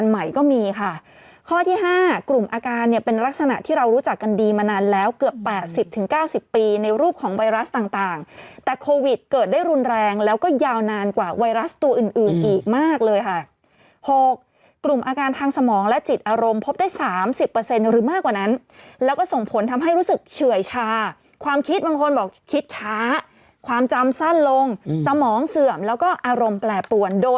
อ๋อใช่เขาบอกคนที่ไปภูมิแพ้จะขึ้นมาอ๋อใช่เขาบอกคนที่ไปภูมิแพ้จะขึ้นมาอ๋อใช่เขาบอกคนที่ไปภูมิแพ้จะขึ้นมาอ๋อใช่เขาบอกคนที่ไปภูมิแพ้จะขึ้นมาอ๋อใช่เขาบอกคนที่ไปภูมิแพ้จะขึ้นมาอ๋อใช่เขาบอกคนที่ไปภูมิแพ้จะขึ้นมาอ๋อใช่เขาบอกคนที่ไปภูมิแพ้จะขึ้